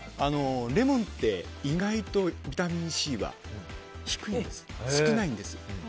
レモンって意外とビタミンＣは少ないんです。